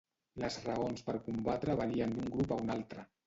Les raons per combatre varien d'un grup a un altre.